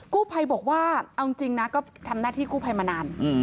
กู้ภัยบอกว่าเอาจริงนะก็ทำหน้าที่กู้ภัยมานาน